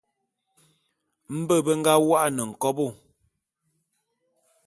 Mbe be nga wô'an nkobô.